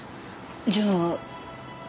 じゃあ。